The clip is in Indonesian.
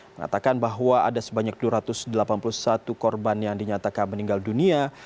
mengatakan bahwa ada sebanyak dua ratus delapan puluh satu korban yang dinyatakan meninggal dunia